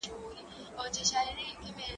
زه کولای سم کتاب ولولم؟!